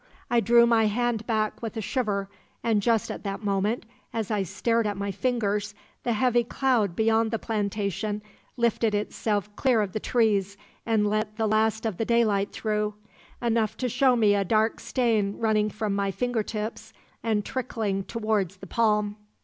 I drew my hand back with a shiver, and just at that moment, as I stared at my fingers, the heavy cloud beyond the plantation lifted itself clear of the trees and let the last of the daylight through enough to show me a dark stain running from my finger tips and trickling towards the palm.